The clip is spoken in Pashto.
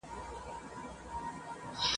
په هر شعر کي یې د افغان اولس ناخوالو ته ,